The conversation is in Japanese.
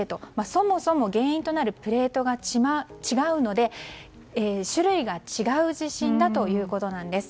そもそも原因となるプレートが違うので種類が違う地震だということなんです。